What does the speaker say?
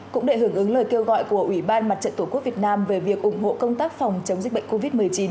cũng để hưởng ứng lời kêu gọi của ủy ban mặt trận tổ quốc việt nam về việc ủng hộ công tác phòng chống dịch bệnh covid một mươi chín